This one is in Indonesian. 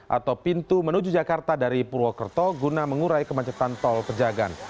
atau pintu menuju jakarta dari purwokerto guna mengurai kemacetan tol pejagan